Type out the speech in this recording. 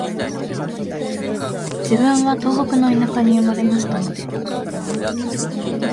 自分は東北の田舎に生まれましたので、